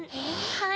はい。